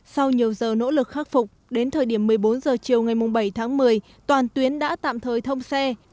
sau nhiều giờ nỗ lực khắc phục đến thời điểm một mươi bốn h chiều ngày bảy tháng một mươi toàn tuyến đã tạm thời thông xe